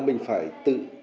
mình phải tự